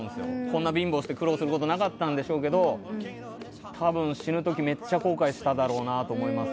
こんな貧乏することなかったんでしょうけど多分、死ぬ時めっちゃ後悔しただろうなと思います。